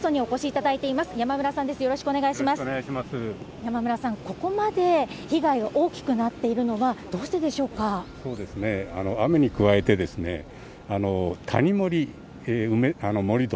山村さん、ここまで被害が大きくなっているのはどうしてでし雨に加えて、谷盛り、盛り土。